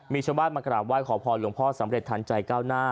มีชาวบ้านมากราบไห้ขอพรหลวงพ่อสำเร็จทันใจก้าวหน้า